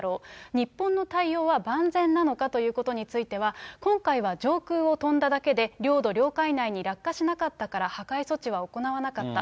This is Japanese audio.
日本の対応は万全なのかということについては、今回は上空を飛んだだけで、領土、領海内に落下しなかったから破壊措置は行わなかった。